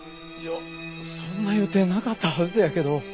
いやそんな予定なかったはずやけど。